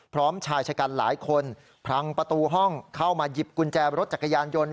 ชายชะกันหลายคนพลังประตูห้องเข้ามาหยิบกุญแจรถจักรยานยนต์